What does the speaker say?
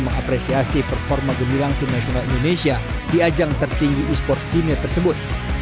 mengapresiasi performa gemilang timnasional indonesia di ajang tertinggi esports timnya tersebut